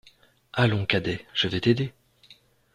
Allons, cadet, je vais t'aider.